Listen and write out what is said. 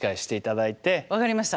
分かりました。